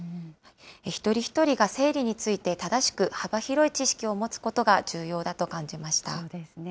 一人一人が生理について正しく幅広い知識を持つことが重要だと感そうですね。